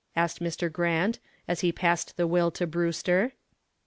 asked Mr. Grant, as he passed the will to Brewster.